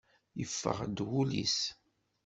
Yeffeɣ-d wul-is.